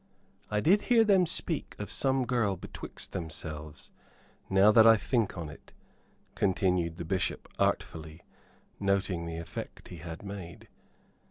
"I did hear them speak of some girl betwixt themselves, now that I think on it," continued the Bishop, artfully, noting the effect he had made.